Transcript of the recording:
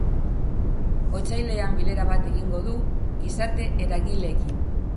Otsailean bilera bat egingo du gizarte eragileekin.